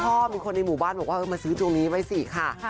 พ่อมีคนในหมู่บ้านบอกว่ามาซื้อตรงนี้ไว้สิค่ะ